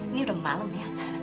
ini udah malem ya